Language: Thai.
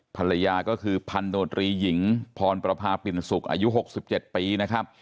ภรรยาก็คือพันโดรีหญิงพรประพาปิ่นสุขอายุ๖๗ปีนะครับ